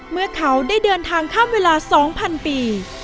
เมื่อเขาได้เดินทางข้ามเวลา๒๐๐๐ปี